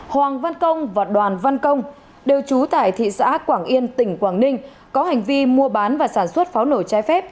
hoàng văn công và đoàn văn công đều trú tại thị xã quảng yên tỉnh quảng ninh có hành vi mua bán và sản xuất pháo nổi trái phép